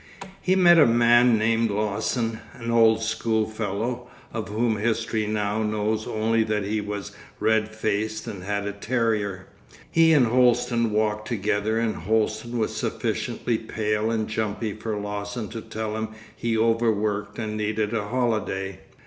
He met a man named Lawson, an old school fellow, of whom history now knows only that he was red faced and had a terrier. He and Holsten walked together and Holsten was sufficiently pale and jumpy for Lawson to tell him he overworked and needed a holiday.